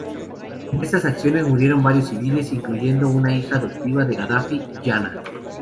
En estas acciones murieron varios civiles, incluyendo una hija adoptiva de Gaddafi, Jana.